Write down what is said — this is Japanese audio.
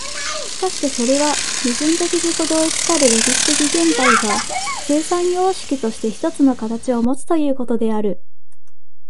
しかしてそれは矛盾的自己同一たる歴史的現在が、生産様式として一つの形をもつということである。